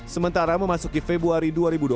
sementara memasuki februari dua ribu dua puluh